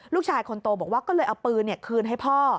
ลูกชายคนโตบอกว่าก็เลยเอาปืนคืนให้พ่อ